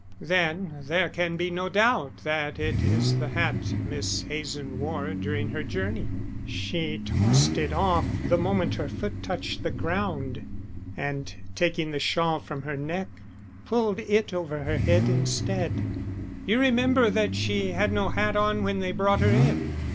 "Then there can be no doubt that it is the hat Miss Hazen wore during her journey. She tossed it off the moment her foot touched the ground, and taking the shawl from her neck pulled it over her head instead. You remember that she had no hat on when they brought her in."